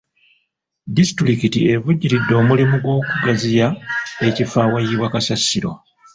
Disitulikiti evujjiridde omulimu gw'okugaziya ekifo awayiibwa kasasiro.